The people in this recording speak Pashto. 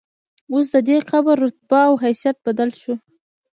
اوس ددې قبر رتبه او حیثیت بدل شو.